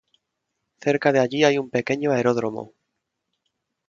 Cerca de allí hay un pequeño aeródromo.